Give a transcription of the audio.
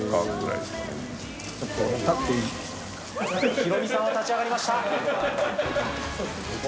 ヒロミさんは立ち上がりました！